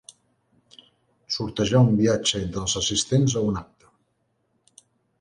Sortejar un viatge entre els assistents a un acte.